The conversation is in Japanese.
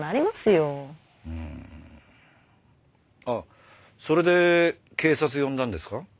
あっそれで警察呼んだんですか？